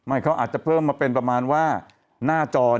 อาจจะเปิ่มมาเป็นประมาณว่าหน้าจอ๑๐คน